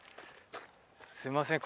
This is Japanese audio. すいません